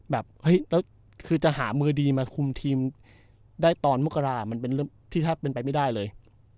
แบบเฮ้ยแล้วคือจะหามือดีมาคุมทีมได้ตอนมกรามันเป็นเรื่องที่แทบเป็นไปไม่ได้เลย